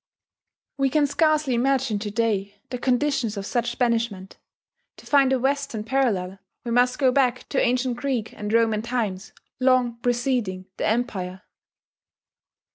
We can scarcely imagine to day the conditions of such banishment: to find a Western parallel we must go back to ancient Greek and Roman times long preceding the Empire.